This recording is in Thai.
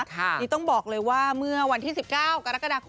อย่าต้องบอกเลยว่าเหมือนวัน๑๙กรกฎาคม